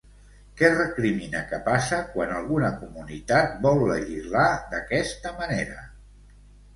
Què recrimina que passa quan alguna comunitat vol legislar d'aquesta manera?